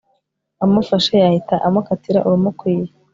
Amufashe yahita amukatira urumukwiye